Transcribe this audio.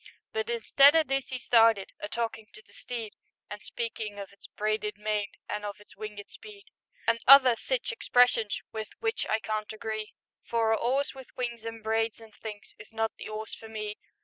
But instead o' this 'e started A talkin' to the steed, And speakin' of its "braided mane" An' of its "winged speed," And other sich expressions With which I can't agree, For a 'orse with wings an' braids an' things Is not the 'orse for me.